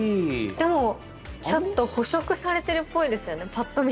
でもちょっと捕食されてるっぽいですよねぱっと見。